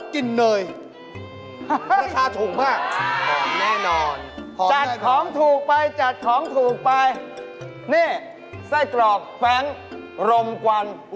ลืมไว้ที่คอนโดอีกแล้ว